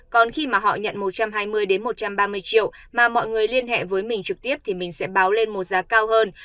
còn khi mà họ nhận một trăm hai mươi một trăm ba mươi triệu mà mọi người liên hệ với mình trực tiếp thì mình sẽ báo lên một giá cao hơn